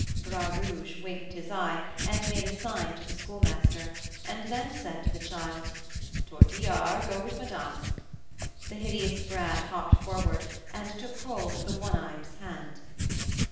Bras Rouge winked his eye and made a sign to the Schoolmaster, and then said to the child: "Tortillard, go with madame." The hideous brat hopped forward and took hold of the "one eyed's" hand.